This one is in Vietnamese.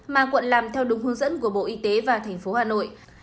mà quận làm theo đúng hướng dẫn của bộ y tế và tp hà nội